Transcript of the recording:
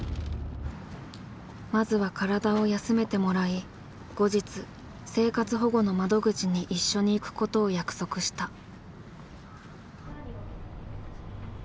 まずは体を休めてもらい後日生活保護の窓口に一緒に行くことを約束した。